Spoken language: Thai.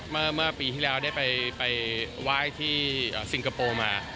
เมื่อปีที่แล้วได้ไปไหว้ที่ซิงคโปร์มา